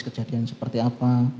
kejadian seperti apa